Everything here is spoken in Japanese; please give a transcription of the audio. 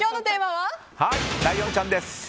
はい、ライオンちゃんです。